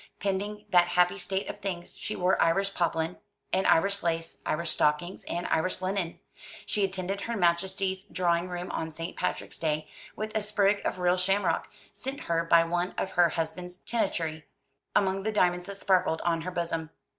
Pending that happy state of things she wore Irish poplin, and Irish lace, Irish stockings, and Irish linen. She attended Her Majesty's Drawing room on St. Patrick's Day, with a sprig of real shamrock sent her by one of her husband's tenantry among the diamonds that sparkled on her bosom.